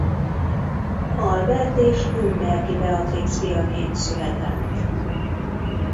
Albert és Nürnbergi Beatrix fiaként született.